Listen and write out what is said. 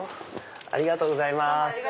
ありがとうございます。